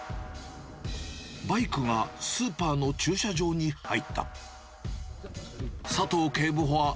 バイクがスーパーの駐車場に入った。